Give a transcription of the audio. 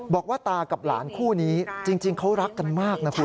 บอกว่าตากับหลานคู่นี้จริงเขารักกันมากนะคุณ